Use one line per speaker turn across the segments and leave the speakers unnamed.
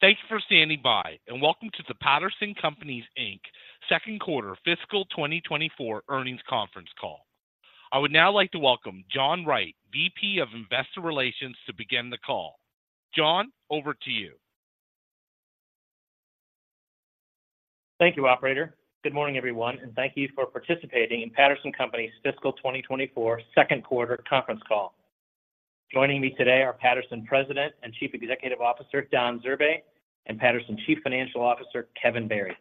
Thank you for standing by, and welcome to the Patterson Companies, Inc. Second Quarter Fiscal 2024 Earnings Conference Call. I would now like to welcome John Wright, VP of Investor Relations, to begin the call. John, over to you.
Thank you, operator. Good morning, everyone, and thank you for participating in Patterson Companies' Fiscal 2024 Second Quarter Conference Call. Joining me today are Patterson President and Chief Executive Officer, Don Zurbay, and Patterson Chief Financial Officer, Kevin Barry.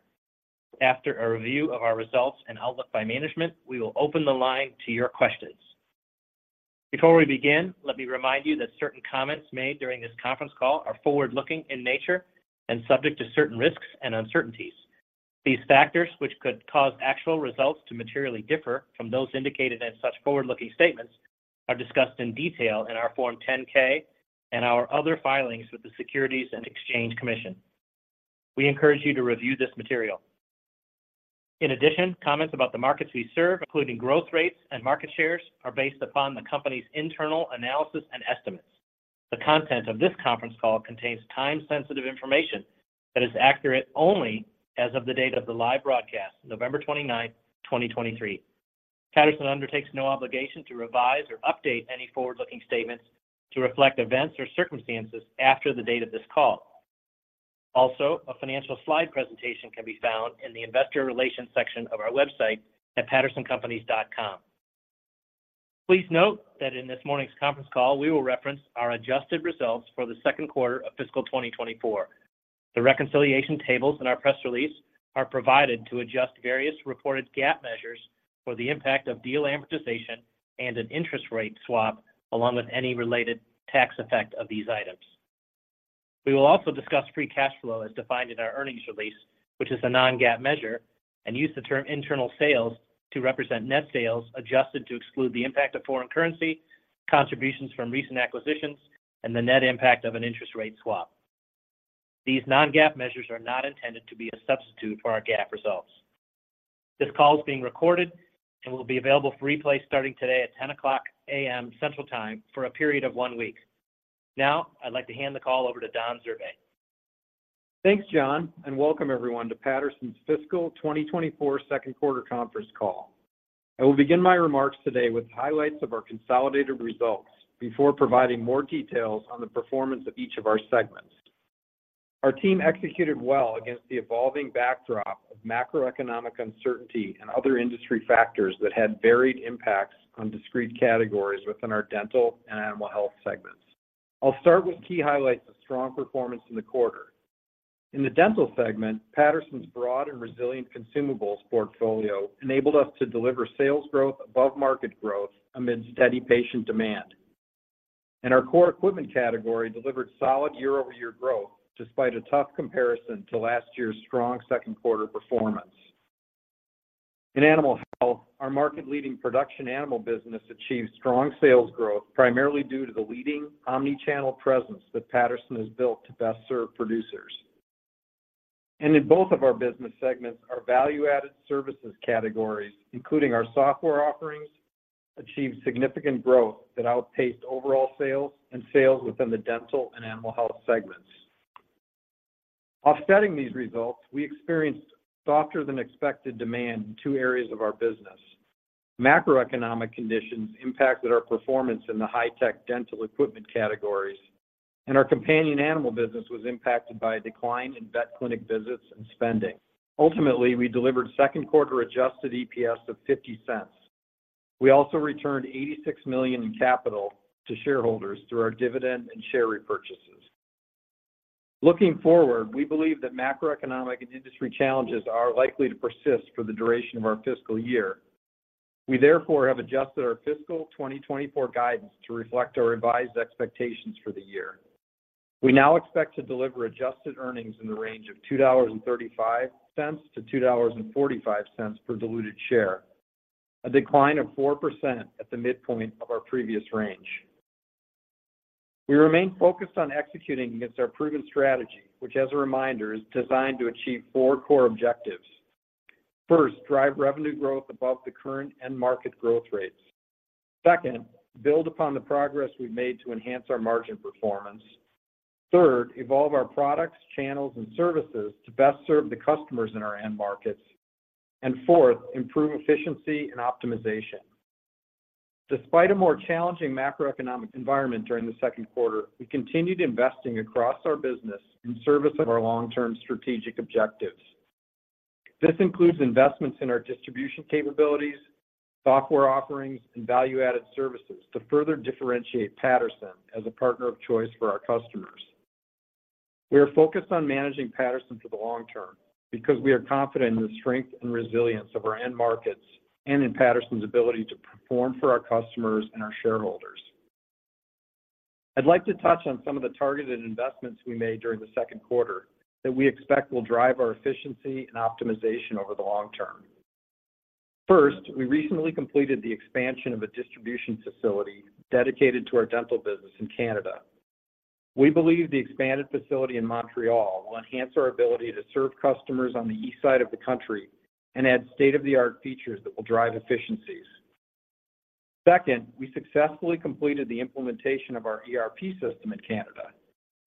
After a review of our results and outlook by management, we will open the line to your questions. Before we begin, let me remind you that certain comments made during this conference call are forward-looking in nature and subject to certain risks and uncertainties. These factors, which could cause actual results to materially differ from those indicated in such forward-looking statements, are discussed in detail in our Form 10-K and our other filings with the Securities and Exchange Commission. We encourage you to review this material. In addition, comments about the markets we serve, including growth rates and market shares, are based upon the company's internal analysis and estimates. The content of this conference call contains time-sensitive information that is accurate only as of the date of the live broadcast, November 29, 2023. Patterson undertakes no obligation to revise or update any forward-looking statements to reflect events or circumstances after the date of this call. Also, a financial slide presentation can be found in the Investor Relations section of our website at pattersoncompanies.com. Please note that in this morning's conference call, we will reference our adjusted results for the second quarter of fiscal 2024. The reconciliation tables in our press release are provided to adjust various reported GAAP measures for the impact of deal amortization and an interest rate swap, along with any related tax effect of these items. We will also discuss free cash flow as defined in our earnings release, which is a non-GAAP measure, and use the term internal sales to represent net sales, adjusted to exclude the impact of foreign currency, contributions from recent acquisitions, and the net impact of an interest rate swap. These non-GAAP measures are not intended to be a substitute for our GAAP results. This call is being recorded and will be available for replay starting today at 10:00 A.M. Central Time for a period of one week. Now, I'd like to hand the call over to Don Zurbay.
Thanks, John, and welcome everyone to Patterson's Fiscal 2024 Second Quarter Conference Call. I will begin my remarks today with highlights of our consolidated results before providing more details on the performance of each of our segments. Our team executed well against the evolving backdrop of macroeconomic uncertainty and other industry factors that had varied impacts on discrete categories within our dental and animal health segments. I'll start with key highlights of strong performance in the quarter. In the dental segment, Patterson's broad and resilient consumables portfolio enabled us to deliver sales growth above market growth amid steady patient demand. Our core equipment category delivered solid year-over-year growth, despite a tough comparison to last year's strong second quarter performance. In animal health, our market-leading production animal business achieved strong sales growth, primarily due to the leading omni-channel presence that Patterson has built to best serve producers. In both of our business segments, our value-added services categories, including our software offerings, achieved significant growth that outpaced overall sales and sales within the dental and animal health segments. Offsetting these results, we experienced softer than expected demand in two areas of our business. Macroeconomic conditions impacted our performance in the high-tech dental equipment categories, and our companion animal business was impacted by a decline in vet clinic visits and spending. Ultimately, we delivered second quarter adjusted EPS of $0.50. We also returned $86 million in capital to shareholders through our dividend and share repurchases. Looking forward, we believe that macroeconomic and industry challenges are likely to persist for the duration of our fiscal year. We therefore have adjusted our fiscal 2024 guidance to reflect our revised expectations for the year. We now expect to deliver adjusted earnings in the range of $2.35-$2.45 per diluted share, a decline of 4% at the midpoint of our previous range. We remain focused on executing against our proven strategy, which, as a reminder, is designed to achieve four core objectives. First, drive revenue growth above the current end market growth rates. Second, build upon the progress we've made to enhance our margin performance. Third, evolve our products, channels, and services to best serve the customers in our end markets. And fourth, improve efficiency and optimization. Despite a more challenging macroeconomic environment during the second quarter, we continued investing across our business in service of our long-term strategic objectives. This includes investments in our distribution capabilities, software offerings, and value-added services to further differentiate Patterson as a partner of choice for our customers. We are focused on managing Patterson for the long term because we are confident in the strength and resilience of our end markets and in Patterson's ability to perform for our customers and our shareholders. I'd like to touch on some of the targeted investments we made during the second quarter that we expect will drive our efficiency and optimization over the long term. First, we recently completed the expansion of a distribution facility dedicated to our dental business in Canada. We believe the expanded facility in Montreal will enhance our ability to serve customers on the east side of the country and add state-of-the-art features that will drive efficiencies. Second, we successfully completed the implementation of our ERP system in Canada.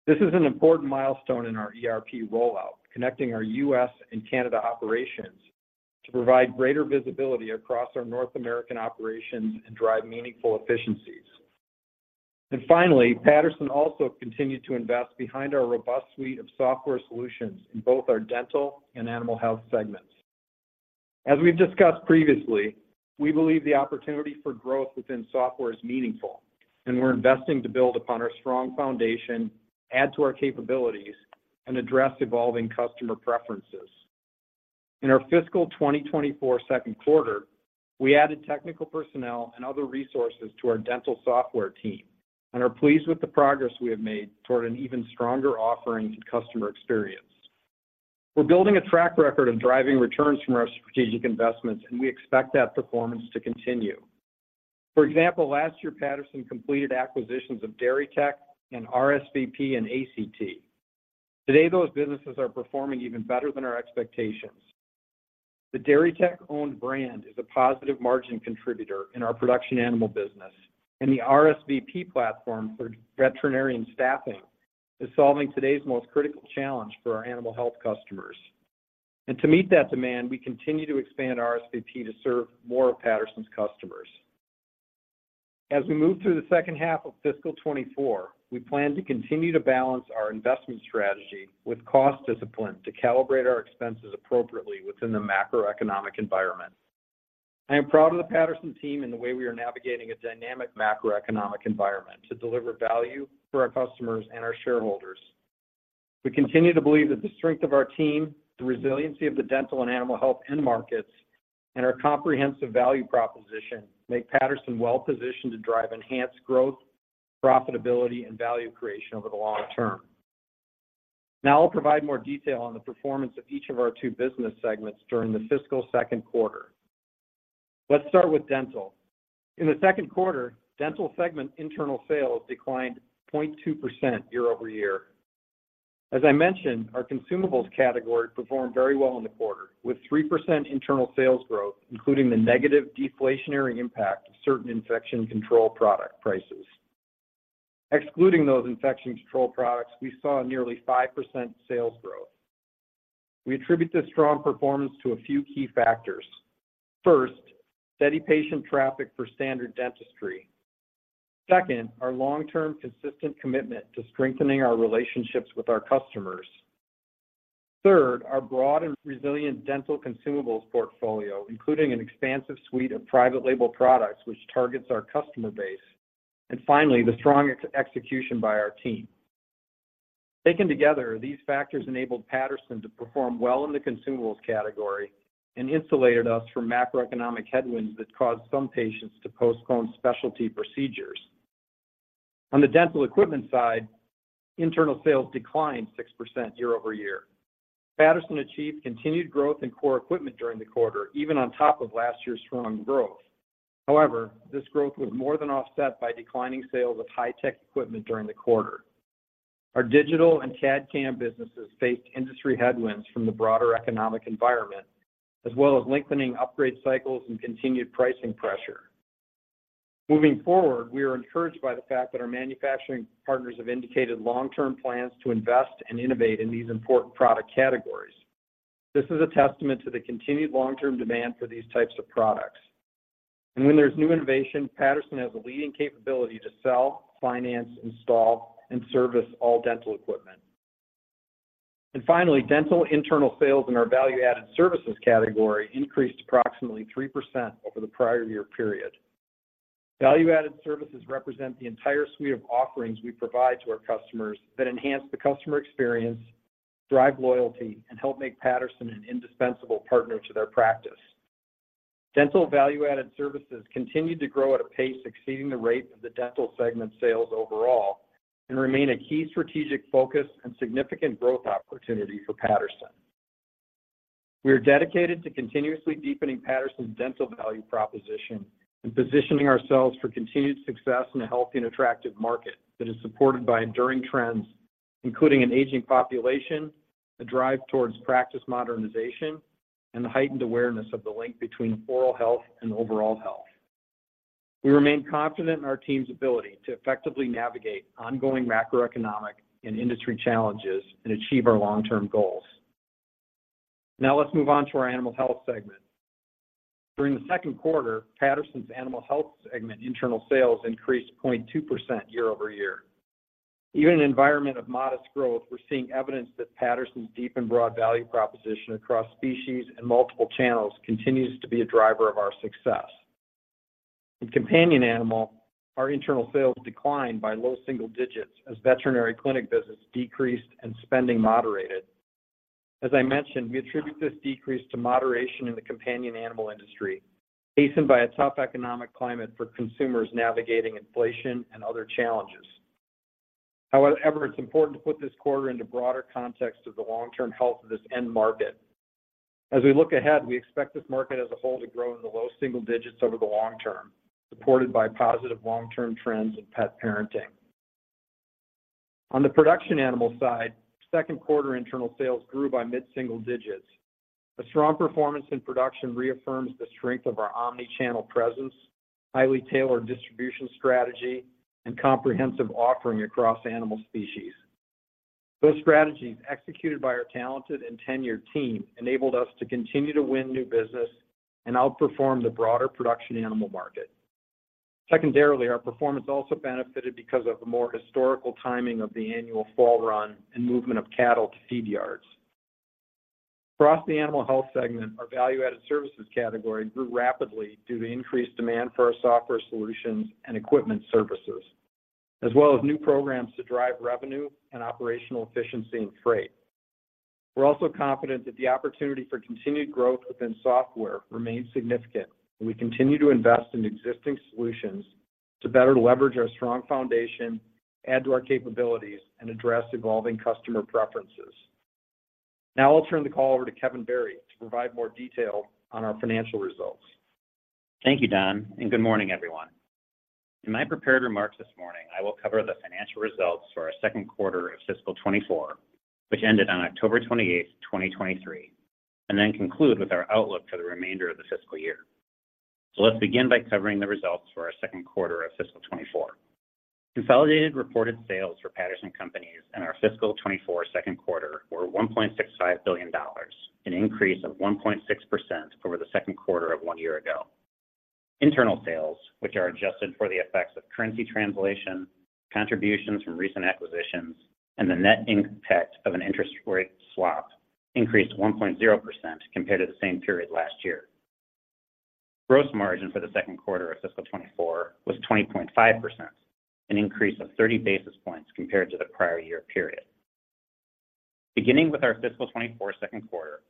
This is an important milestone in our ERP rollout, connecting our U.S. and Canada operations to provide greater visibility across our North American operations and drive meaningful efficiencies. Finally, Patterson also continued to invest behind our robust suite of software solutions in both our dental and animal health segments. As we've discussed previously, we believe the opportunity for growth within software is meaningful, and we're investing to build upon our strong foundation, add to our capabilities, and address evolving customer preferences. In our fiscal 2024 second quarter, we added technical personnel and other resources to our dental software team and are pleased with the progress we have made toward an even stronger offering and customer experience. We're building a track record of driving returns from our strategic investments, and we expect that performance to continue. For example, last year, Patterson completed acquisitions of Dairy Tech and RSVP and ACT. Today, those businesses are performing even better than our expectations. The Dairy Tech owned brand is a positive margin contributor in our production animal business, and the RSVP platform for veterinarian staffing is solving today's most critical challenge for our animal health customers. To meet that demand, we continue to expand RSVP to serve more of Patterson's customers. As we move through the second half of fiscal 2024, we plan to continue to balance our investment strategy with cost discipline to calibrate our expenses appropriately within the macroeconomic environment. I am proud of the Patterson team and the way we are navigating a dynamic macroeconomic environment to deliver value for our customers and our shareholders. We continue to believe that the strength of our team, the resiliency of the dental and animal health end markets, and our comprehensive value proposition make Patterson well positioned to drive enhanced growth, profitability, and value creation over the long term. Now, I'll provide more detail on the performance of each of our two business segments during the fiscal second quarter. Let's start with Dental. In the second quarter, Dental segment internal sales declined 0.2% year-over-year. As I mentioned, our consumables category performed very well in the quarter, with 3% internal sales growth, including the negative deflationary impact of certain infection control product prices. Excluding those infection control products, we saw nearly 5% sales growth. We attribute this strong performance to a few key factors. First, steady patient traffic for standard dentistry. Second, our long-term consistent commitment to strengthening our relationships with our customers. Third, our broad and resilient dental consumables portfolio, including an expansive suite of private label products, which targets our customer base. And finally, the strong execution by our team. Taken together, these factors enabled Patterson to perform well in the consumables category and insulated us from macroeconomic headwinds that caused some patients to postpone specialty procedures. On the dental equipment side, internal sales declined 6% year-over-year. Patterson achieved continued growth in core equipment during the quarter, even on top of last year's strong growth. However, this growth was more than offset by declining sales of high-tech equipment during the quarter. Our digital and CAD/CAM businesses faced industry headwinds from the broader economic environment, as well as lengthening upgrade cycles and continued pricing pressure. Moving forward, we are encouraged by the fact that our manufacturing partners have indicated long-term plans to invest and innovate in these important product categories. This is a testament to the continued long-term demand for these types of products. When there's new innovation, Patterson has a leading capability to sell, finance, install, and service all dental equipment. Finally, dental internal sales in our value-added services category increased approximately 3% over the prior year period. Value-added services represent the entire suite of offerings we provide to our customers that enhance the customer experience, drive loyalty, and help make Patterson an indispensable partner to their practice. Dental value-added services continued to grow at a pace exceeding the rate of the dental segment sales overall and remain a key strategic focus and significant growth opportunity for Patterson. We are dedicated to continuously deepening Patterson's dental value proposition and positioning ourselves for continued success in a healthy and attractive market that is supported by enduring trends, including an aging population, a drive towards practice modernization, and a heightened awareness of the link between oral health and overall health. We remain confident in our team's ability to effectively navigate ongoing macroeconomic and industry challenges and achieve our long-term goals. Now, let's move on to our animal health segment. During the second quarter, Patterson's animal health segment internal sales increased 0.2% year-over-year. Even in an environment of modest growth, we're seeing evidence that Patterson's deep and broad value proposition across species and multiple channels continues to be a driver of our success. In companion animal, our internal sales declined by low single digits as veterinary clinic visits decreased and spending moderated. As I mentioned, we attribute this decrease to moderation in the companion animal industry, hastened by a tough economic climate for consumers navigating inflation and other challenges. However, it's important to put this quarter into broader context of the long-term health of this end market. As we look ahead, we expect this market as a whole to grow in the low single digits over the long term, supported by positive long-term trends in pet parenting. On the production animal side, second quarter internal sales grew by mid-single digits. A strong performance in production reaffirms the strength of our omni-channel presence, highly tailored distribution strategy, and comprehensive offering across animal species. Those strategies, executed by our talented and tenured team, enabled us to continue to win new business and outperform the broader production animal market. Secondarily, our performance also benefited because of the more historical timing of the annual fall run and movement of cattle to feed yards. Across the animal health segment, our value-added services category grew rapidly due to increased demand for our software solutions and equipment services, as well as new programs to drive revenue and operational efficiency and freight. We're also confident that the opportunity for continued growth within software remains significant, and we continue to invest in existing solutions to better leverage our strong foundation, add to our capabilities, and address evolving customer preferences. Now, I'll turn the call over to Kevin Barry to provide more detail on our financial results.
Thank you, Don, and good morning, everyone. In my prepared remarks this morning, I will cover the financial results for our second quarter of fiscal 2024, which ended on October 28, 2023, and then conclude with our outlook for the remainder of the fiscal year. So let's begin by covering the results for our second quarter of fiscal 2024. Consolidated reported sales for Patterson Companies in our fiscal 2024 second quarter were $1.65 billion, an increase of 1.6% over the second quarter of one year ago. Internal sales, which are adjusted for the effects of currency translation, contributions from recent acquisitions, and the net impact of an interest rate swap, increased 1.0% compared to the same period last year. Gross margin for the second quarter of fiscal 2024 was 20.5%, an increase of 30 basis points compared to the prior year period. Beginning with our fiscal 2024 second quarter,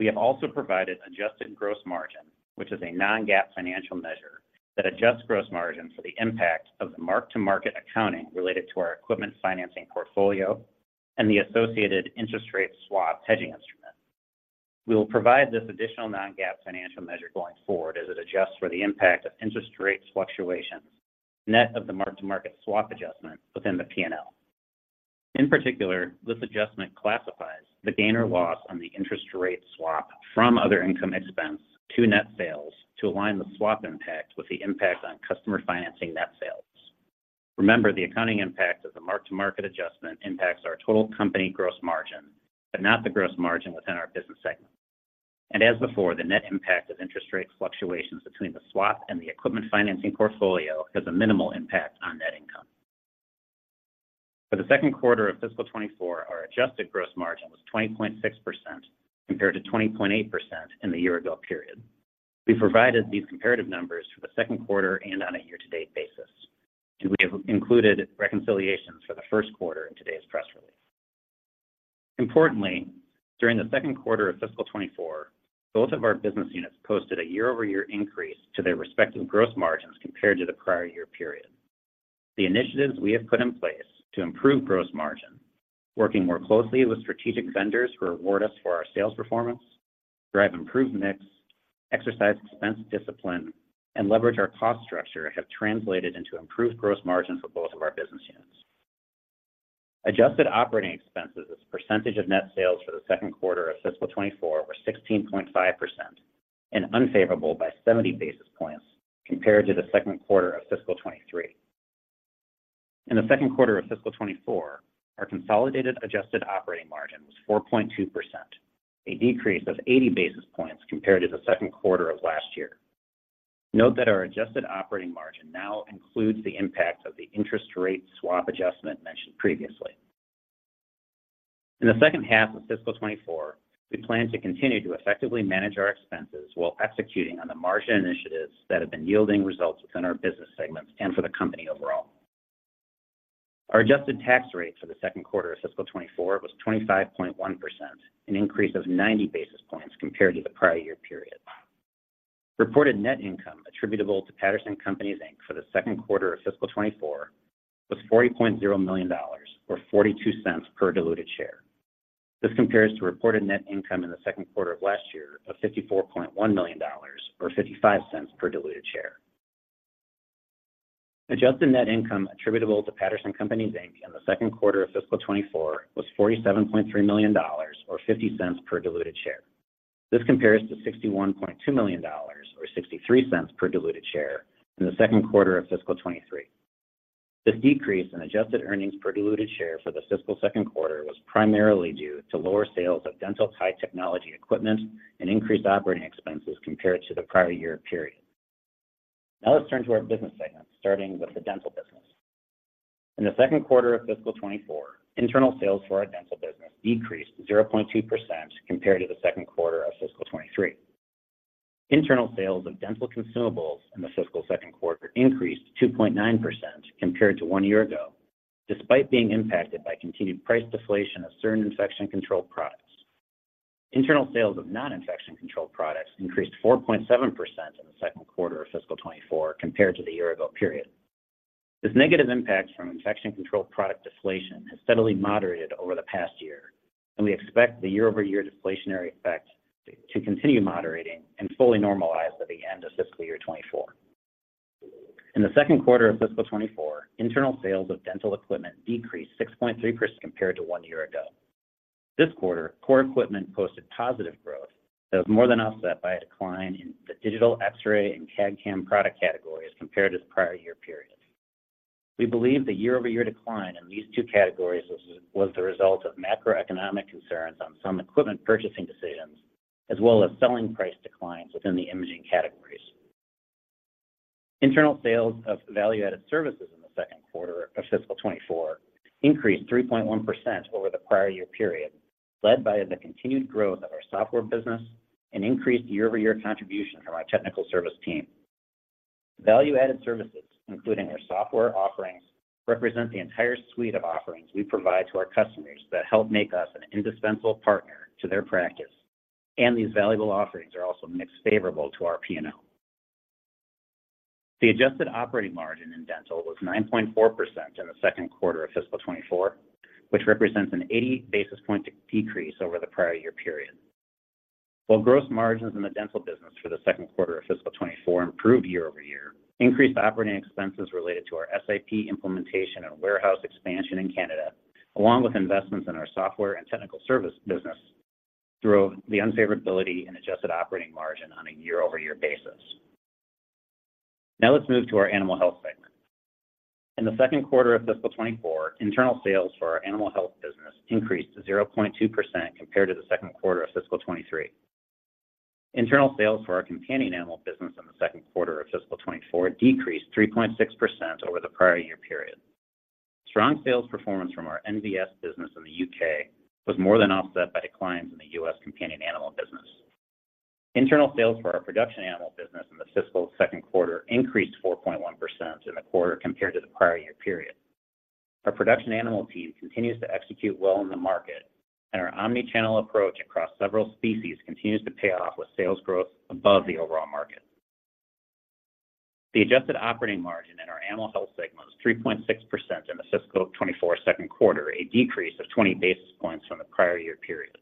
we have also provided adjusted gross margin, which is a non-GAAP financial measure that adjusts gross margin for the impact of the mark-to-market accounting related to our equipment financing portfolio and the associated interest rate swap hedging instrument. We will provide this additional non-GAAP financial measure going forward, as it adjusts for the impact of interest rate fluctuations, net of the mark-to-market swap adjustment within the P&L. In particular, this adjustment classifies the gain or loss on the interest rate swap from other income expense to net sales to align the swap impact with the impact on customer financing net sales. Remember, the accounting impact of the mark-to-market adjustment impacts our total company gross margin, but not the gross margin within our business segment. As before, the net impact of interest rate fluctuations between the swap and the equipment financing portfolio has a minimal impact on net income. For the second quarter of fiscal 2024, our adjusted gross margin was 20.6%, compared to 20.8% in the year-ago period. We provided these comparative numbers for the second quarter and on a year-to-date basis, and we have included reconciliations for the first quarter in today's press release. Importantly, during the second quarter of fiscal 2024, both of our business units posted a year-over-year increase to their respective gross margins compared to the prior-year period. The initiatives we have put in place to improve gross margin, working more closely with strategic vendors who reward us for our sales performance, drive improved mix, exercise expense discipline, and leverage our cost structure, have translated into improved gross margin for both of our business units. Adjusted operating expenses as a percentage of net sales for the second quarter of fiscal 2024 were 16.5% and unfavorable by 70 basis points compared to the second quarter of fiscal 2023. In the second quarter of fiscal 2024, our consolidated adjusted operating margin was 4.2%, a decrease of 80 basis points compared to the second quarter of last year. Note that our adjusted operating margin now includes the impact of the interest rate swap adjustment mentioned previously. In the second half of fiscal 2024, we plan to continue to effectively manage our expenses while executing on the margin initiatives that have been yielding results within our business segments and for the company overall. Our adjusted tax rate for the second quarter of fiscal 2024 was 25.1%, an increase of 90 basis points compared to the prior year period. Reported net income attributable to Patterson Companies, Inc. for the second quarter of fiscal 2024 was $40.0 million, or $0.42 per diluted share. This compares to reported net income in the second quarter of last year of $54.1 million or $0.55 per diluted share. Adjusted net income attributable to Patterson Companies, Inc. in the second quarter of fiscal 2024 was $47.3 million or $0.50 per diluted share. This compares to $61.2 million, or $0.63 per diluted share in the second quarter of fiscal 2023. This decrease in adjusted earnings per diluted share for the fiscal second quarter was primarily due to lower sales of dental high technology equipment and increased operating expenses compared to the prior year period. Now, let's turn to our business segment, starting with the dental business. In the second quarter of fiscal 2024, Internal Sales for our dental business decreased 0.2% compared to the second quarter of fiscal 2023. Internal Sales of dental consumables in the fiscal second quarter increased 2.9% compared to one year ago, despite being impacted by continued price deflation of certain infection control products. Internal Sales of non-infection control products increased 4.7% in the second quarter of fiscal 2024 compared to the year ago period. This negative impact from infection control product deflation has steadily moderated over the past year, and we expect the year-over-year deflationary effect to continue moderating and fully normalized by the end of fiscal year 2024. In the second quarter of fiscal 2024, internal sales of dental equipment decreased 6.3% compared to one year ago. This quarter, core equipment posted positive growth that was more than offset by a decline in the digital X-ray and CAD/CAM product categories compared to the prior year period. We believe the year-over-year decline in these two categories was the result of macroeconomic concerns on some equipment purchasing decisions, as well as selling price declines within the imaging categories. Internal sales of value-added services in the second quarter of fiscal 2024 increased 3.1% over the prior year period, led by the continued growth of our software business and increased year-over-year contribution from our technical service team. Value-added services, including our software offerings, represent the entire suite of offerings we provide to our customers that help make us an indispensable partner to their practice, and these valuable offerings are also mixed favorable to our P&L. The adjusted operating margin in dental was 9.4% in the second quarter of fiscal 2024, which represents an 80 basis point decrease over the prior year period. While gross margins in the dental business for the second quarter of fiscal 2024 improved year-over-year, increased operating expenses related to our SAP implementation and warehouse expansion in Canada, along with investments in our software and technical service business, drove the unfavorability and adjusted operating margin on a year-over-year basis. Now let's move to our animal health segment. In the second quarter of fiscal 2024, internal sales for our animal health business increased to 0.2% compared to the second quarter of fiscal 2023. Internal sales for our companion animal business in the second quarter of fiscal 2024 decreased 3.6% over the prior year period. Strong sales performance from our NVS business in the U.K. was more than offset by declines in the U.S. companion animal business. Internal sales for our production animal business in the fiscal second quarter increased 4.1% in the quarter compared to the prior year period. Our production animal team continues to execute well in the market, and our omni-channel approach across several species continues to pay off with sales growth above the overall market. The adjusted operating margin in our animal health segment was 3.6% in the fiscal 2024 second quarter, a decrease of 20 basis points from the prior year period.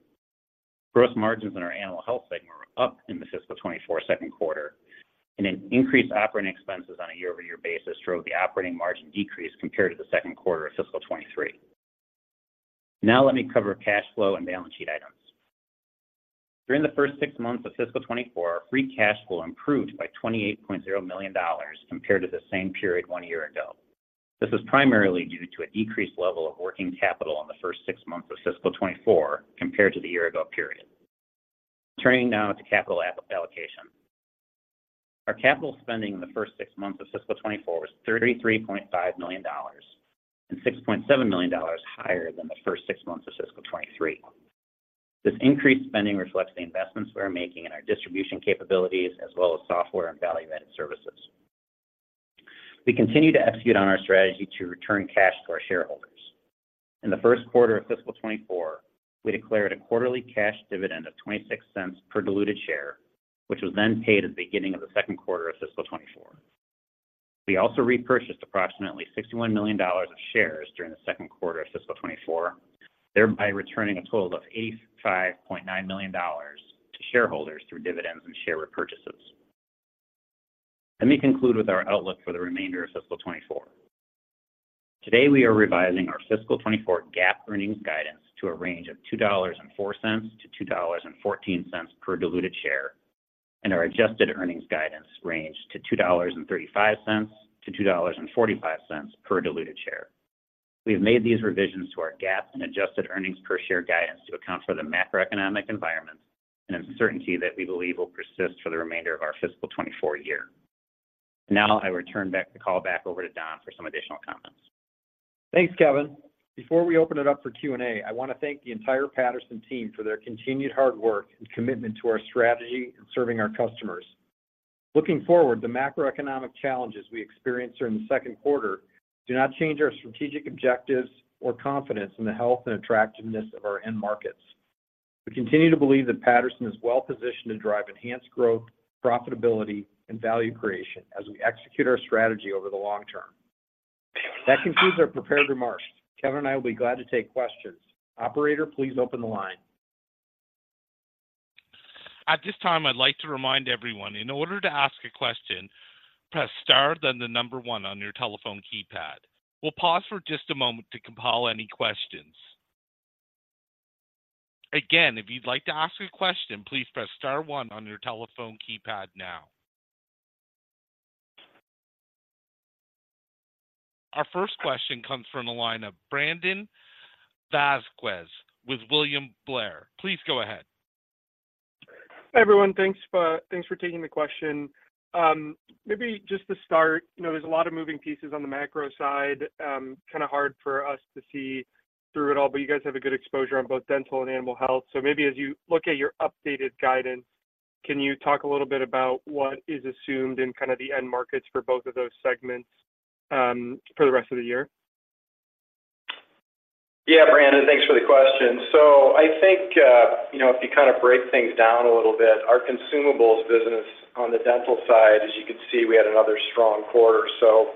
Gross margins in our animal health segment were up in the fiscal 2024 second quarter, and an increased operating expenses on a year-over-year basis drove the operating margin decrease compared to the second quarter of fiscal 2023. Now let me cover cash flow and balance sheet items. During the first six months of fiscal 2024, our free cash flow improved by $28.0 million compared to the same period one year ago. This is primarily due to a decreased level of working capital in the first six months of fiscal 2024 compared to the year ago period. Turning now to capital allocation. Our capital spending in the first six months of fiscal 2024 was $33.5 million, and $6.7 million higher than the first six months of fiscal 2023. This increased spending reflects the investments we are making in our distribution capabilities, as well as software and value-added services. We continue to execute on our strategy to return cash to our shareholders. In the first quarter of fiscal 2024, we declared a quarterly cash dividend of $0.26 per diluted share, which was then paid at the beginning of the second quarter of fiscal 2024. We also repurchased approximately $61 million of shares during the second quarter of fiscal 2024, thereby returning a total of $85.9 million to shareholders through dividends and share repurchases. Let me conclude with our outlook for the remainder of fiscal 2024. Today, we are revising our fiscal 2024 GAAP earnings guidance to a range of $2.04-$2.14 per diluted share, and our adjusted earnings guidance range to $2.35-$2.45 per diluted share. We've made these revisions to our GAAP and adjusted earnings per share guidance to account for the macroeconomic environment and uncertainty that we believe will persist for the remainder of our fiscal 2024 year. Now, I return back the call back over to Don for some additional comments.
Thanks, Kevin. Before we open it up for Q&A, I want to thank the entire Patterson team for their continued hard work and commitment to our strategy in serving our customers. Looking forward, the macroeconomic challenges we experienced during the second quarter do not change our strategic objectives or confidence in the health and attractiveness of our end markets. We continue to believe that Patterson is well-positioned to drive enhanced growth, profitability, and value creation as we execute our strategy over the long term. That concludes our prepared remarks. Kevin and I will be glad to take questions. Operator, please open the line.
At this time, I'd like to remind everyone, in order to ask a question, press star, then the number one on your telephone keypad. We'll pause for just a moment to compile any questions. Again, if you'd like to ask a question, please press star one on your telephone keypad now. Our first question comes from the line of Brandon Vazquez with William Blair. Please go ahead.
Everyone, thanks for, thanks for taking the question. Maybe just to start, you know, there's a lot of moving pieces on the macro side, kind of hard for us to see through it all, but you guys have a good exposure on both dental and animal health. So maybe as you look at your updated guidance, can you talk a little bit about what is assumed in kind of the end markets for both of those segments, for the rest of the year?
Yeah, Brandon, thanks for the question. So I think, you know, if you kind of break things down a little bit, our consumables business on the dental side, as you can see, we had another strong quarter or so.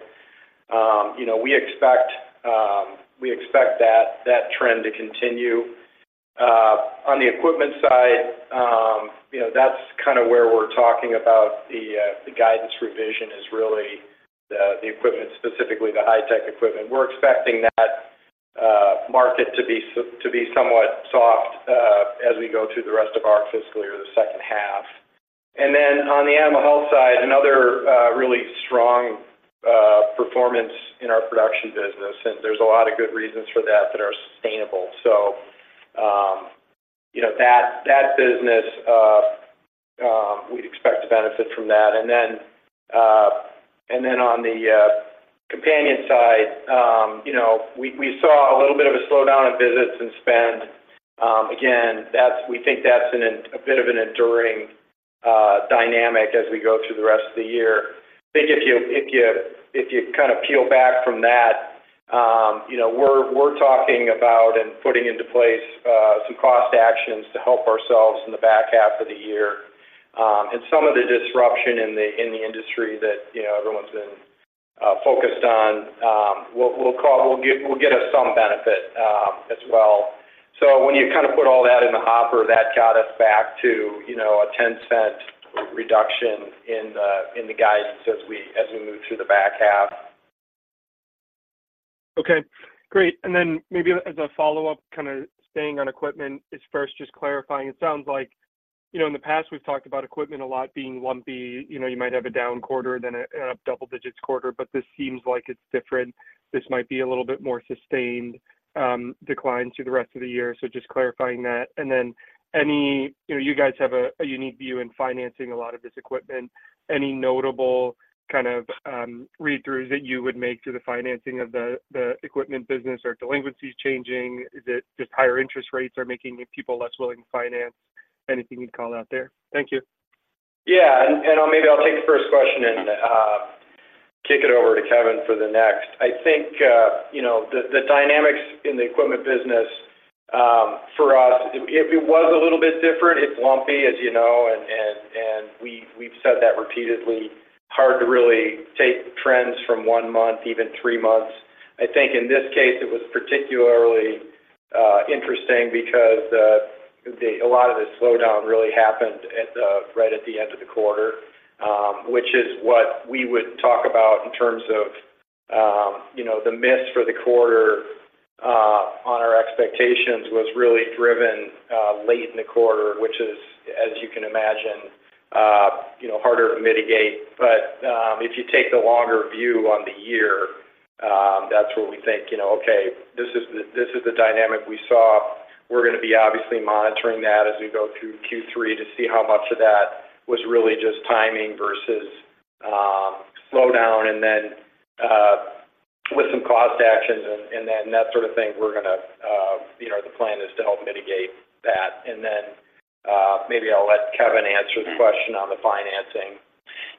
You know, we expect, we expect that, that trend to continue. On the equipment side, you know, that's kind of where we're talking about the, the guidance revision is really the, the equipment, specifically the high tech equipment. We're expecting that market to be somewhat soft, as we go through the rest of our fiscal year, the second half. And then on the animal health side, another, really strong, performance in our production business, and there's a lot of good reasons for that, that are sustainable. So, you know, that, that business, we'd expect to benefit from that. And then, and then on the, companion side, you know, we, we saw a little bit of a slowdown in visits and spend. Again, that's—we think that's a bit of an enduring dynamic as we go through the rest of the year. I think if you kind of peel back from that, you know, we're talking about and putting into place some cost actions to help ourselves in the back half of the year. And some of the disruption in the industry that, you know, everyone's been focused on, will get us some benefit as well. So when you kind of put all that in the hopper, that got us back to, you know, a $0.10 reduction in the guidance as we move through the back half.
Okay, great. And then maybe as a follow-up, kind of staying on equipment is first just clarifying. It sounds like, you know, in the past, we've talked about equipment a lot being lumpy. You know, you might have a down quarter, then a double digits quarter, but this seems like it's different. This might be a little bit more sustained decline through the rest of the year. So just clarifying that, and then any... You know, you guys have a unique view in financing a lot of this equipment. Any notable kind of read-throughs that you would make to the financing of the equipment business or delinquencies changing? Is it just higher interest rates are making people less willing to finance? Anything you'd call out there? Thank you.
Yeah, and I'll maybe take the first question and kick it over to Kevin for the next. I think you know the dynamics in the equipment business for us, it was a little bit different. It's lumpy, as you know, and we've said that repeatedly. Hard to really take trends from one month, even three months. I think in this case, it was particularly interesting because a lot of the slowdown really happened right at the end of the quarter, which is what we would talk about in terms of you know the miss for the quarter on our expectations was really driven late in the quarter, which is, as you can imagine, you know, harder to mitigate. If you take the longer view on the year, that's where we think, you know, okay, this is the, this is the dynamic we saw. We're gonna be obviously monitoring that as we go through Q3 to see how much of that was really just timing versus slowdown, and then, with some cost actions and, and then that sort of thing, we're gonna, you know, the plan is to help mitigate that. And then, maybe I'll let Kevin answer the question on the financing.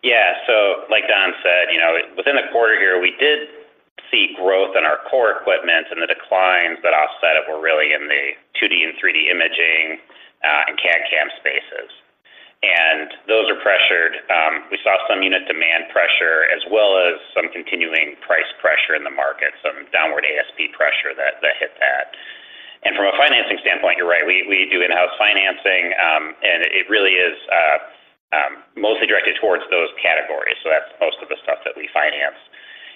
Yeah. So like Don said, you know, within the quarter here, we did see growth in our core equipment, and the declines that offset it were really in the 2D and 3D imaging, and CAD/CAM spaces. And those are pressured. We saw some unit demand pressure, as well as some continuing price pressure in the market, some downward ASP pressure that, that hit that. And from a financing standpoint, you're right. We do in-house financing, and it really is mostly directed towards those categories, so that's most of the stuff that we finance.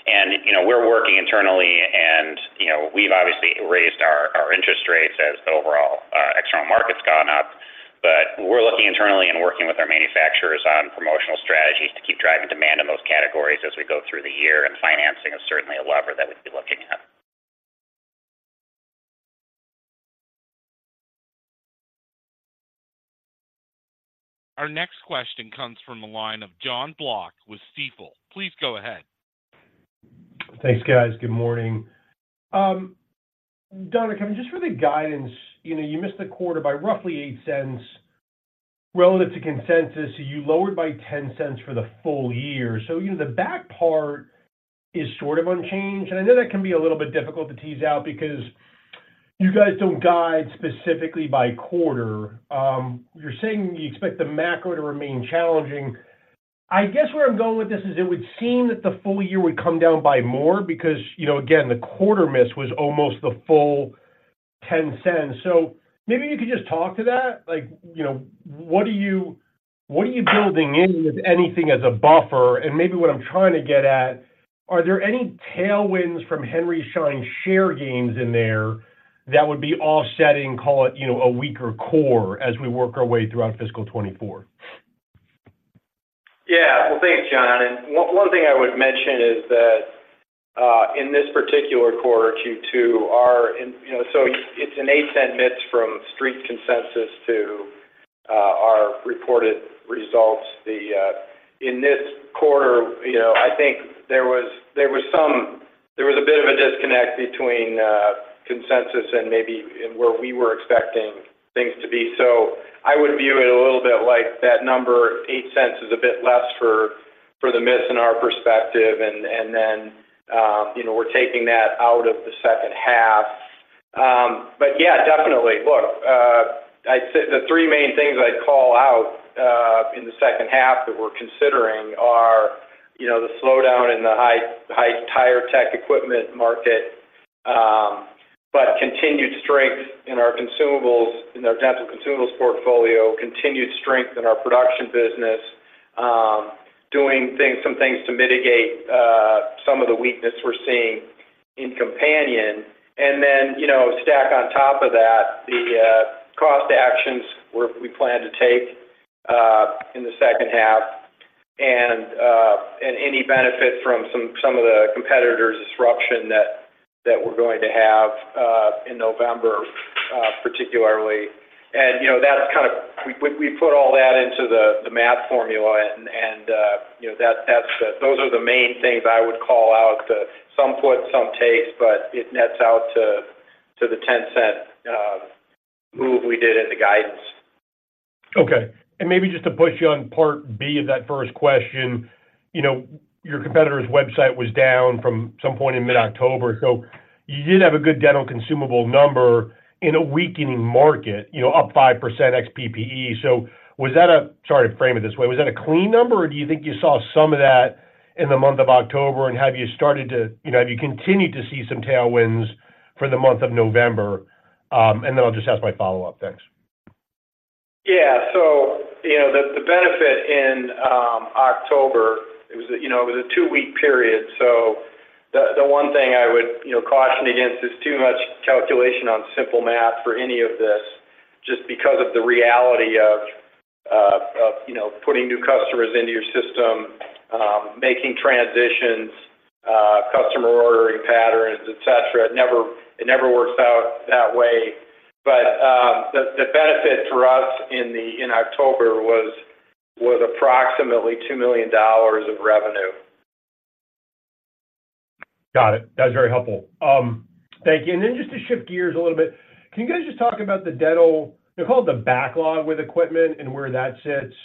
And, you know, we're working internally, and, you know, we've obviously raised our interest rates as the overall external markets gone up. But we're looking internally and working with our manufacturers on promotional strategies to keep driving demand in those categories as we go through the year, and financing is certainly a lever that we'd be looking at.
Our next question comes from the line of Jon Block with Stifel. Please go ahead.
Thanks, guys. Good morning. Don and Kevin, just for the guidance, you know, you missed the quarter by roughly $0.08 relative to consensus, so you lowered by $0.10 for the full year. So, you know, the back part is sort of unchanged, and I know that can be a little bit difficult to tease out because you guys don't guide specifically by quarter. You're saying you expect the macro to remain challenging. I guess where I'm going with this is it would seem that the full year would come down by more because, you know, again, the quarter miss was almost the full $0.10. So maybe you could just talk to that. Like, you know, what are you, what are you building in, if anything, as a buffer? Maybe what I'm trying to get at, are there any tailwinds from Henry Schein share gains in there that would be offsetting, call it, you know, a weaker core as we work our way throughout fiscal 2024?
Yeah. Well, thanks, John. And one thing I would mention is that in this particular quarter, Q2, you know, so it's an $0.08 miss from street consensus to our reported results. In this quarter, you know, I think there was a bit of a disconnect between consensus and maybe where we were expecting things to be. So I would view it a little bit like that number, $0.08 is a bit less for the miss in our perspective, and then you know, we're taking that out of the second half. But yeah, definitely. Look, I'd say the three main things I'd call out in the second half that we're considering are, you know, the slowdown in the high, high high-tech equipment market, but continued strength in our consumables, in our dental consumables portfolio, continued strength in our production business, doing some things to mitigate some of the weakness we're seeing in companion. And then, you know, stack on top of that, the cost actions we plan to take in the second half, and any benefit from some of the competitors' disruption that we're going to have in November, particularly. And, you know, that's kind of... We put all that into the math formula, and, you know, that's the-- those are the main things I would call out. Some up, some down, but it nets out to the $0.10 move we did in the guidance.
Okay. And maybe just to push you on part B of that first question, you know, your competitor's website was down from some point in mid-October, so you did have a good dental consumable number in a weakening market, you know, up 5% ex PPE. So was that a... Sorry to frame it this way, was that a clean number, or do you think you saw some of that in the month of October? And have you started to, you know, have you continued to see some tailwinds for the month of November? And then I'll just ask my follow-up. Thanks.
Yeah. So, you know, the benefit in October, it was a two-week period, so the one thing I would, you know, caution against is too much calculation on simple math for any of this, just because of the reality of, you know, putting new customers into your system, making transitions, customer ordering patterns, et cetera. It never works out that way. But the benefit for us in October was approximately $2 million of revenue.
Got it. That's very helpful. Thank you. And then just to shift gears a little bit, can you guys just talk about the dental, I call it the backlog with equipment and where that sits?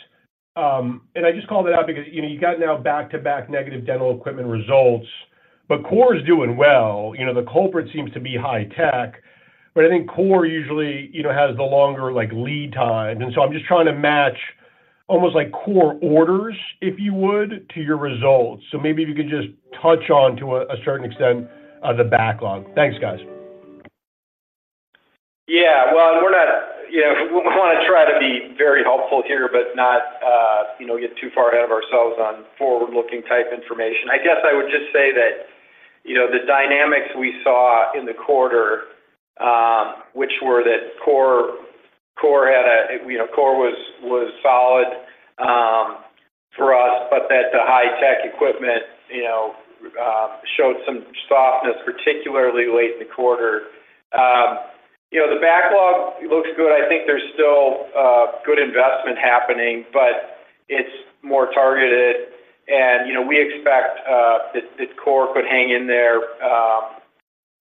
And I just called it out because, you know, you got now back-to-back negative dental equipment results, but core is doing well. You know, the culprit seems to be high tech, but I think core usually, you know, has the longer, like, lead time. And so I'm just trying to match almost like core orders, if you would, to your results. So maybe if you could just touch on to a certain extent the backlog. Thanks, guys.
Yeah, well, we're not... You know, we wanna try to be very helpful here, but not, you know, get too far ahead of ourselves on forward-looking type information. I guess I would just say that, you know, the dynamics we saw in the quarter, which were that core was solid for us, but that the high tech equipment, you know, showed some softness, particularly late in the quarter. You know, the backlog looks good. I think there's still good investment happening, but it's more targeted, and, you know, we expect that core could hang in there,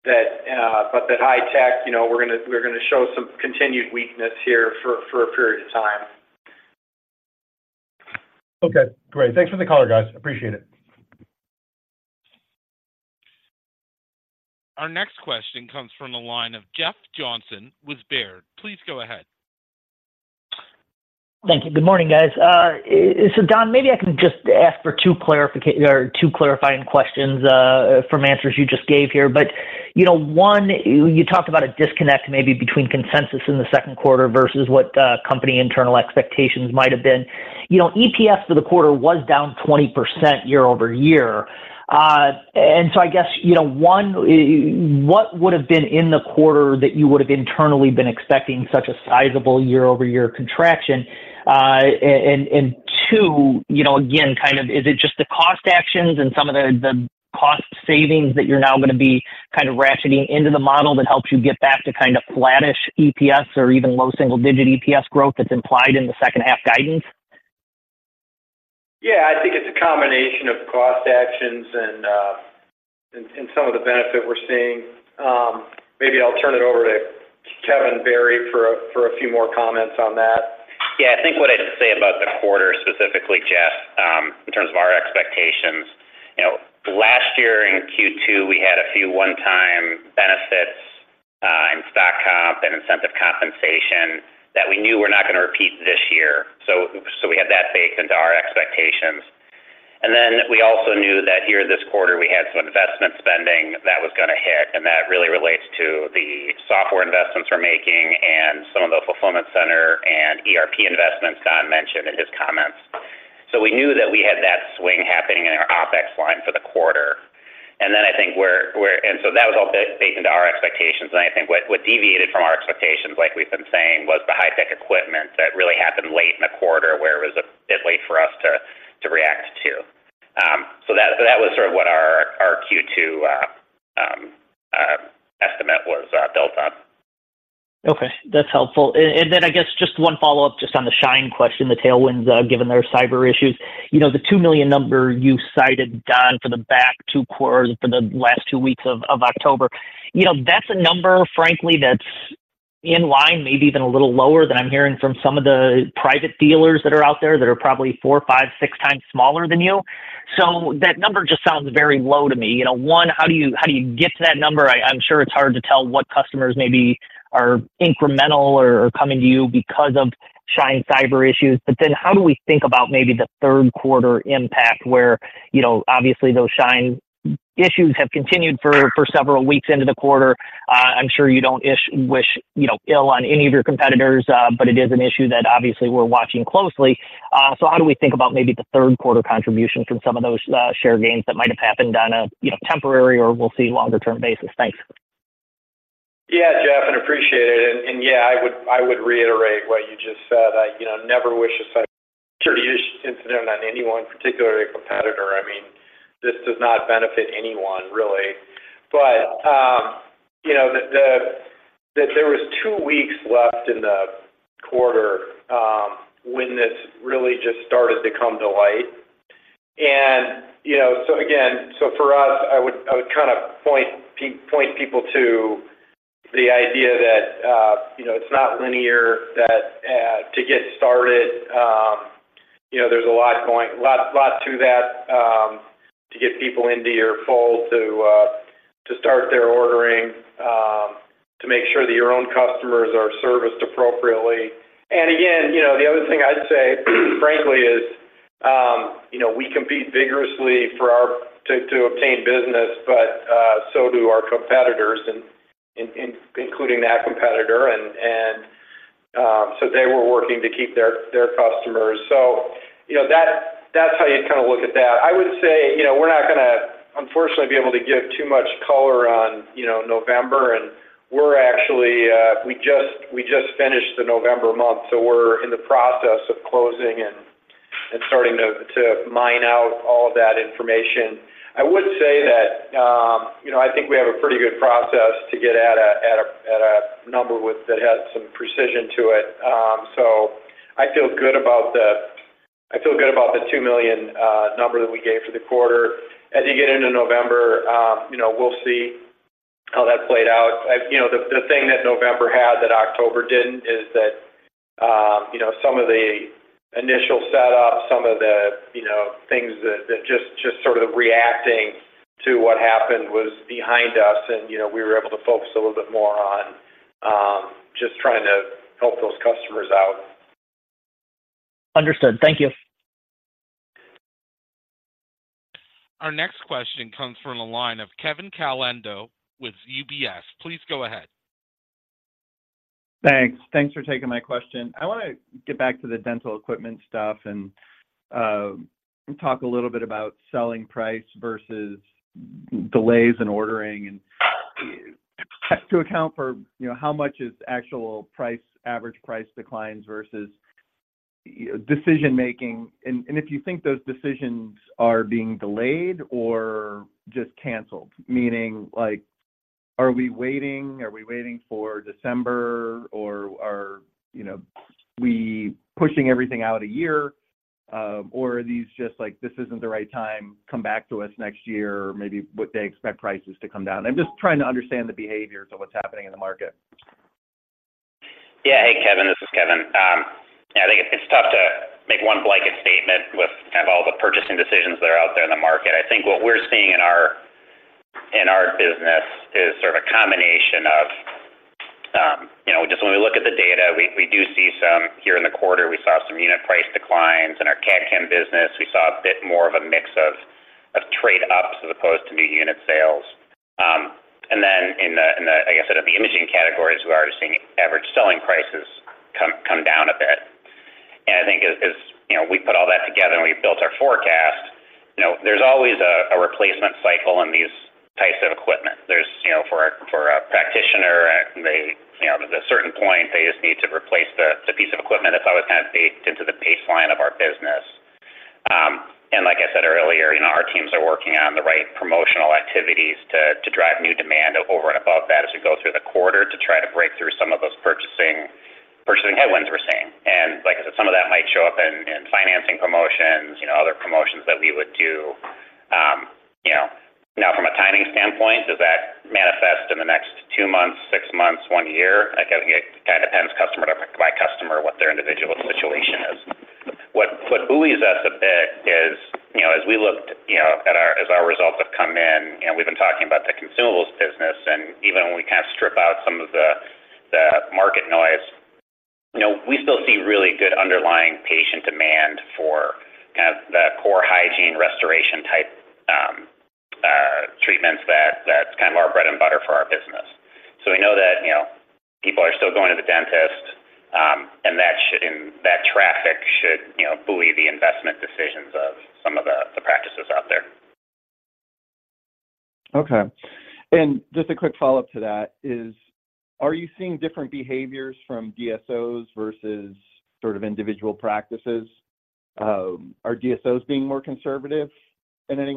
but that high tech, you know, we're gonna show some continued weakness here for a period of time.
Okay, great. Thanks for the color, guys. Appreciate it.
Our next question comes from the line of Jeff Johnson with Baird. Please go ahead.
Thank you. Good morning, guys. So Don, maybe I can just ask for two clarifying questions from answers you just gave here. But, you know, one, you talked about a disconnect maybe between consensus in the second quarter versus what company internal expectations might have been. You know, EPS for the quarter was down 20% year-over-year. And so I guess, you know, one, what would have been in the quarter that you would have internally been expecting such a sizable year-over-year contraction? And two, you know, again, kind of, is it just the cost actions and some of the cost savings that you're now gonna be kind of ratcheting into the model that helps you get back to kind of flattish EPS or even low single-digit EPS growth that's implied in the second half guidance?
Yeah, I think it's a combination of cost actions and some of the benefit we're seeing. Maybe I'll turn it over to Kevin Barry for a few more comments on that.
Yeah. I think what I'd say about the quarter, specifically, Jeff, in terms of our expectations, you know, last year in Q2, we had a few one-time benefits in stock comp and incentive compensation that we knew were not gonna repeat this year. So we had that baked into our expectations. And then we also knew that here this quarter, we had some investment spending that was gonna hit, and that really relates to the software investments we're making and some of the fulfillment center and ERP investments Don mentioned in his comments. So we knew that we had that swing happening in our OpEx line for the quarter. And then I think we're and so that was all baked into our expectations. I think what deviated from our expectations, like we've been saying, was the high tech equipment that really happened late in the quarter, where it was a bit late for us to react to. So that was sort of what our Q2 estimate was built on.
Okay. That's helpful. And then I guess just one follow-up, just on the Henry Schein question, the tailwinds, given their cyber issues. You know, the $2 million number you cited, Don, for the back two quarters—for the last two weeks of October, you know, that's a number, frankly, that's in line, maybe even a little lower than I'm hearing from some of the private dealers that are out there that are probably 4x, 5x, 6x smaller than you. So that number just sounds very low to me. You know, one, how do you get to that number? I'm sure it's hard to tell what customers maybe are incremental or coming to you because of Schein cyber issues. But then how do we think about maybe the third quarter impact, where, you know, obviously those Schein issues have continued for several weeks into the quarter? I'm sure you don't wish, you know, ill on any of your competitors, but it is an issue that obviously we're watching closely. So how do we think about maybe the third quarter contribution from some of those, share gains that might have happened on a, you know, temporary or we'll see longer term basis? Thanks.
Yeah, Jeff, appreciate it. And yeah, I would, I would reiterate what you just said. I, you know, never wish a cybersecurity incident on anyone, particularly a competitor. I mean, this does not benefit anyone really. But, you know, that there were two weeks left in the quarter, when this really just started to come to light. And, you know, so again, so for us, I would, I would kind of point people to the idea that, you know, it's not linear, that, to get started, you know, there's a lot going on, a lot to that, to get people into your fold, to, to start their ordering, to make sure that your own customers are serviced appropriately. Again, you know, the other thing I'd say, frankly, is, you know, we compete vigorously to obtain business, but so do our competitors, and including that competitor. And so they were working to keep their customers. So, you know, that's how you kind of look at that. I would say, you know, we're not gonna, unfortunately, be able to give too much color on, you know, November, and we're actually, we just finished the November month, so we're in the process of closing and starting to mine out all of that information. I would say that, you know, I think we have a pretty good process to get at a number that has some precision to it. So I feel good about the, I feel good about the $2 million number that we gave for the quarter. As you get into November, you know, we'll see how that played out. I, you know, the, the thing that November had that October didn't is that, you know, some of the initial setup, some of the, you know, things that, that just, just sort of reacting to what happened was behind us, and, you know, we were able to focus a little bit more on, just trying to help those customers out.
Understood. Thank you.
Our next question comes from the line of Kevin Caliendo with UBS. Please go ahead.
Thanks. Thanks for taking my question. I want to get back to the dental equipment stuff and talk a little bit about selling price versus delays in ordering, and to account for, you know, how much is actual price, average price declines versus decision making. And if you think those decisions are being delayed or just canceled, meaning like, are we waiting for December, or are, you know, we pushing everything out a year? Or are these just like, "This isn't the right time, come back to us next year"? Or maybe would they expect prices to come down? I'm just trying to understand the behaviors of what's happening in the market.
Yeah. Hey, Kevin, this is Kevin. I think it's tough to make one blanket statement with kind of all the purchasing decisions that are out there in the market. I think what we're seeing in our business is sort of a combination of, you know, just when we look at the data, we do see some. Here in the quarter, we saw some unit price declines. In our Canadian business, we saw a bit more of a mix of trade ups as opposed to new unit sales. And then in the imaging categories, we're already seeing average selling prices come down a bit. And I think as you know, we put all that together and we built our forecast, you know, there's always a replacement cycle in these types of equipment. There's, you know, for a practitioner, they, you know, at a certain point, they just need to replace the piece of equipment. That's always kind of baked into the baseline of our business. And like I said earlier, you know, our teams are working on the right promotional activities to drive new demand over and above that as we go through the quarter to try to break through some of those purchasing headwinds we're seeing. And like I said, some of that might show up in financing promotions, you know, other promotions that we would do. You know, now, from a timing standpoint, does that manifest in the next two months, six months, one year? I guess it kind of depends customer by customer, what their individual situation is. What buoys us a bit is, you know, as we looked, you know, at our, as our results have come in, and we've been talking about the consumables business, and even when we kind of strip out some of the, the market noise, you know, we still see really good underlying patient demand for kind of the core hygiene restoration type treatments that, that's kind of our bread and butter for our business. So we know that, you know, people are still going to the dentist, and that should, that traffic should, you know, buoy the investment decisions of some of the, the practices out there.
Okay. Just a quick follow-up to that is, are you seeing different behaviors from DSOs versus sort of individual practices? Are DSOs being more conservative in any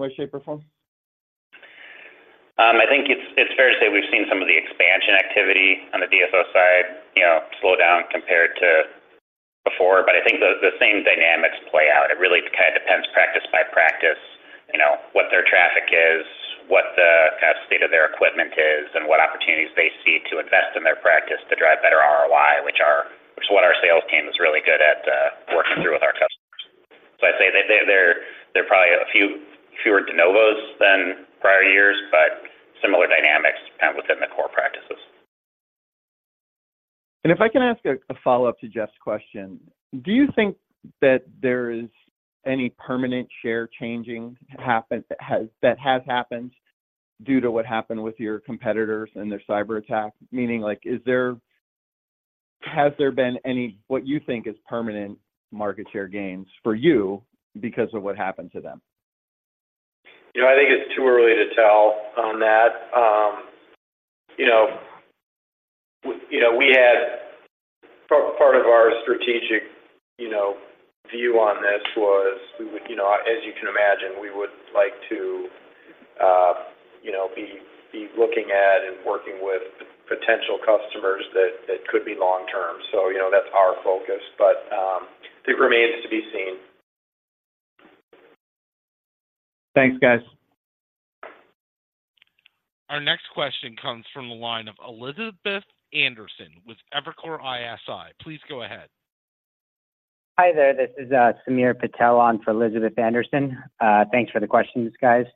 way, shape, or form?
I think it's fair to say we've seen some of the expansion activity on the DSO side, you know, slow down but I think the same dynamics play out. It really kind of depends practice by practice, you know, what their traffic is, what the state of their equipment is, and what opportunities they see to invest in their practice to drive better ROI, which is what our sales team is really good at, working through with our customers. So I'd say that they're probably a few fewer de novos than prior years, but similar dynamics kind of within the core practices.
If I can ask a follow-up to Jeff's question. Do you think that there is any permanent share changing happened that has happened due to what happened with your competitors and their cyberattack? Meaning like, is there, has there been any, what you think is permanent market share gains for you because of what happened to them?
You know, I think it's too early to tell on that. You know, you know, we had part of our strategic, you know, view on this was we would, you know, as you can imagine, we would like to, you know, be looking at and working with potential customers that could be long term. So, you know, that's our focus, but, it remains to be seen.
Thanks, guys.
Our next question comes from the line of Elizabeth Anderson with Evercore ISI. Please go ahead.
Hi there, this is Sameer Patel on for Elizabeth Anderson. Thanks for the questions, guys.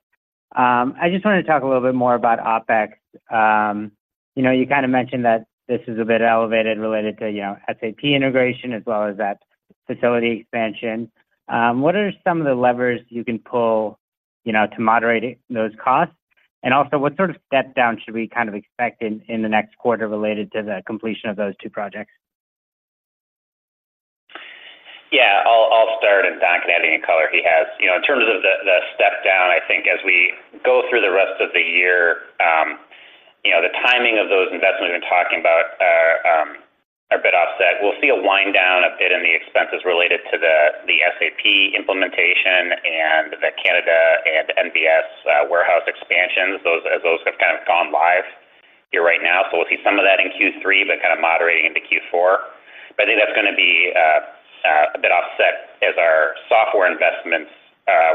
I just wanted to talk a little bit more about OpEx. You know, you kind of mentioned that this is a bit elevated related to, you know, SAP integration as well as that facility expansion. What are some of the levers you can pull, you know, to moderate those costs? And also, what sort of step down should we kind of expect in the next quarter related to the completion of those two projects?
Yeah, I'll, I'll start and Don can add any color he has. You know, in terms of the step down, I think as we go through the rest of the year, you know, the timing of those investments we've been talking about are a bit offset. We'll see a wind down a bit in the expenses related to the SAP implementation and the Canada and MBS warehouse expansions, those, as those have kind of gone live here right now. So we'll see some of that in Q3, but kind of moderating into Q4. But I think that's gonna be a bit offset as our software investments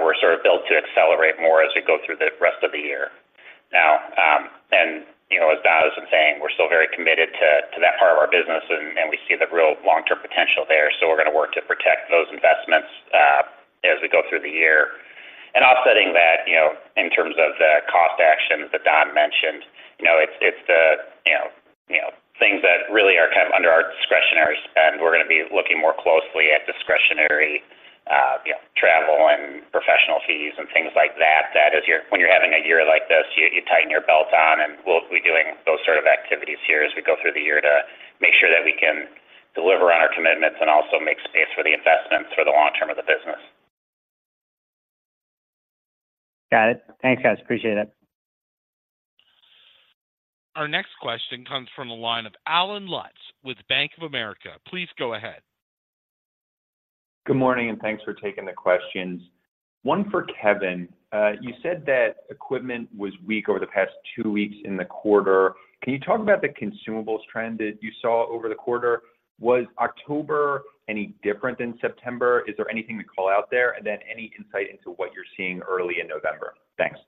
were sort of built to accelerate more as we go through the rest of the year. Now, and, you know, as Don was saying, we're still very committed to that part of our business, and we see the real long-term potential there. So we're gonna work to protect those investments, as we go through the year. And offsetting that, you know, in terms of the cost actions that Don mentioned, you know, it's the, you know, things that really are kind of under our discretionary spend. We're gonna be looking more closely at discretionary, you know, travel and professional fees and things like that. That is your—when you're having a year like this, you tighten your belt on, and we'll be doing those sort of activities here as we go through the year to make sure that we can deliver on our commitments and also make space for the investments for the long term of the business.
Got it. Thanks, guys. Appreciate it.
Our next question comes from the line of Allen Lutz with Bank of America. Please go ahead.
Good morning, and thanks for taking the questions. One for Kevin. You said that equipment was weak over the past two weeks in the quarter. Can you talk about the consumables trend that you saw over the quarter? Was October any different than September? Is there anything to call out there? And then any insight into what you're seeing early in November? Thanks.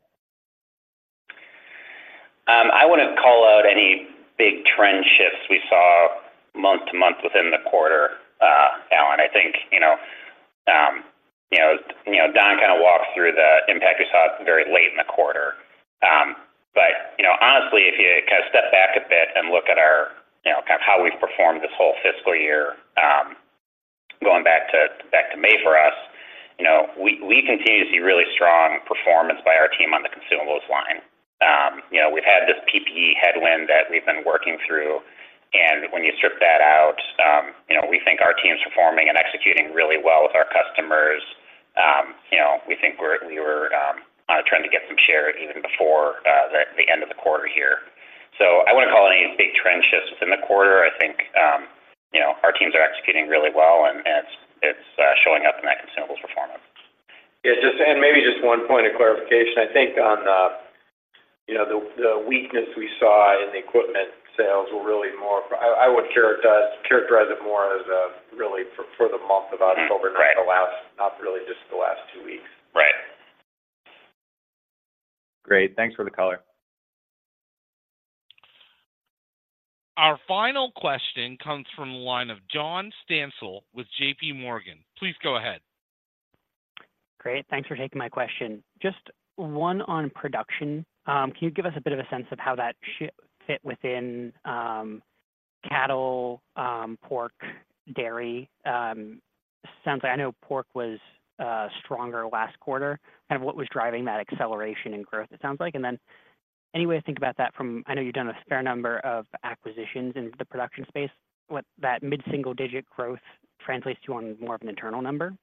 I wouldn't call out any big trend shifts we saw month to month within the quarter, Allen. I think, you know, you know, you know, Don kind of walked through the impact. We saw it very late in the quarter. But, you know, honestly, if you kind of step back a bit and look at our, you know, kind of how we've performed this whole fiscal year, going back to, back to May for us, you know, we, we continue to see really strong performance by our team on the consumables line. You know, we've had this PPE headwind that we've been working through, and when you strip that out, you know, we think our team is performing and executing really well with our customers. You know, we think we're, we were, on a trend to get some share even before the end of the quarter here. So I wouldn't call it any big trend shifts within the quarter. I think, you know, our teams are executing really well, and it's showing up in that consumables performance.
Yeah, just, and maybe just one point of clarification. I think on the, you know, the weakness we saw in the equipment sales were really more- I would characterize it more as, really for the month of October-
Right...
the last, not really just the last two weeks.
Right.
Great. Thanks for the color.
Our final question comes from the line of John Stansel with JPMorgan. Please go ahead.
Great. Thanks for taking my question. Just one on production. Can you give us a bit of a sense of how that fits within cattle, pork, dairy? Sounds like I know pork was stronger last quarter, and what was driving that acceleration in growth, it sounds like? And then any way to think about that from... I know you've done a fair number of acquisitions in the production space. What that mid-single digit growth translates to on more of an internal number?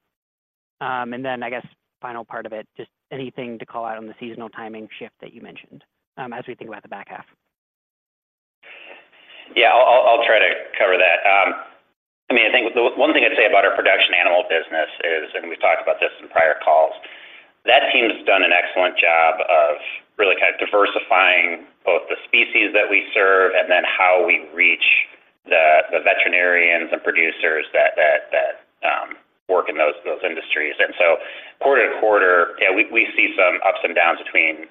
And then I guess final part of it, just anything to call out on the seasonal timing shift that you mentioned, as we think about the back half.
Yeah, I'll try to cover that. I mean, I think the one thing I'd say about our... The team's done an excellent job of really kind of diversifying both the species that we serve and then how we reach the veterinarians and producers that work in those industries. And so quarter to quarter, yeah, we see some ups and downs between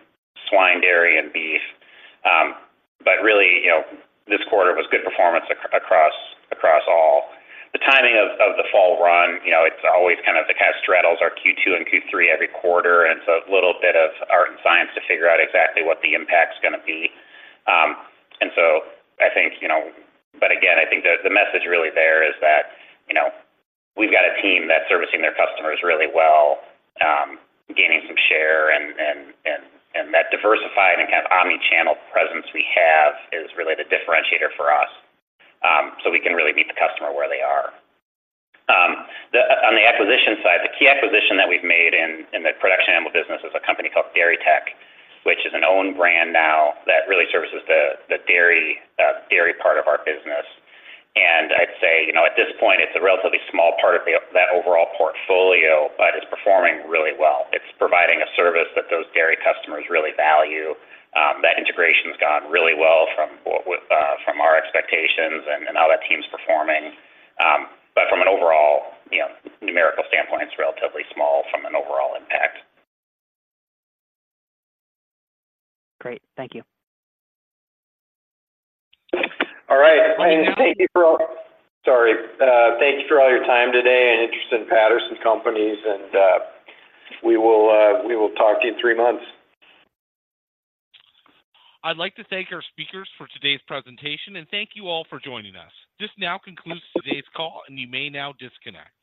swine, dairy, and beef. But really, you know, this quarter was good performance across all. The timing of the fall run, you know, it's always kind of it kind of straddles our Q2 and Q3 every quarter, and so a little bit of art and science to figure out exactly what the impact's gonna be. And so I think, you know, but again, I think the message really there is that, you know, we've got a team that's servicing their customers really well, gaining some share and that diversified and kind of omni-channel presence we have is really the differentiator for us, so we can really meet the customer where they are. On the acquisition side, the key acquisition that we've made in the production animal business is a company called Dairy Tech, which is an own brand now that really services the dairy part of our business. And I'd say, you know, at this point, it's a relatively small part of that overall portfolio, but it's performing really well. It's providing a service that those dairy customers really value. That integration's gone really well from our expectations and how that team's performing. But from an overall, you know, numerical standpoint, it's relatively small from an overall impact.
Great. Thank you.
All right. Thank you for all your time today and interest in Patterson Companies, and we will talk to you in three months.
I'd like to thank our speakers for today's presentation and thank you all for joining us. This now concludes today's call, and you may now disconnect.